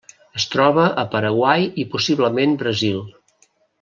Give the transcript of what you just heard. Es troba a Paraguai i possiblement Brasil.